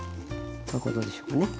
こういうことでしょうかね。